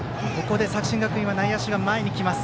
作新学院は内野手が前に来ます。